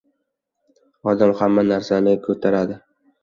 • Odam hamma narsani ko‘taradi.